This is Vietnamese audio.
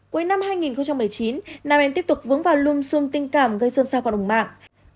cuối năm hai nghìn một mươi chín nam em tiếp tục vướng vào lùm xung tinh cảm gây xuân sao qua đồng mạng